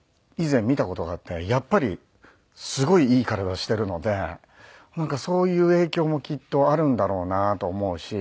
やっぱりすごいいい体しているのでなんかそういう影響もきっとあるんだろうなと思うし。